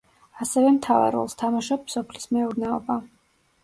ასევე მთავარ როლს თამაშობს სოფლის მეურნეობა.